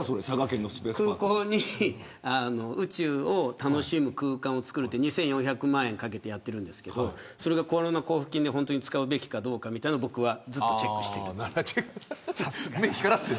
空港に宇宙を楽しむ空間を作る２４００万円かけてやっているんですけどそれがコロナ交付金を本当に使うべきかどうか僕はずっとチェックしています。